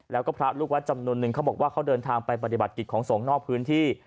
แล้วก็พระลูกวัดจำนวนนึงเขาบอกว่าเขาเดินทางไปปฏิบัติกิจของสงฆ์นอกพื้นที่